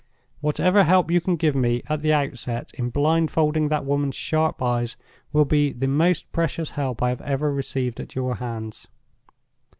Whatever help you can give me at the outset in blindfolding that woman's sharp eyes will be the most precious help I have ever received at your hands.